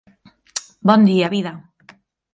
Bon dia, vida!